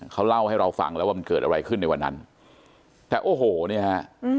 เขาเล่าให้เราฟังแล้วว่ามันเกิดอะไรขึ้นในวันนั้นแต่โอ้โหเนี่ยฮะ